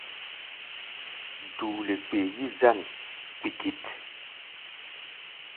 Duule kpee yí-zân kpikit.